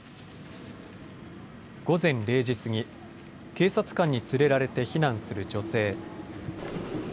午前０時過ぎ、警察官に連れられて避難する女性。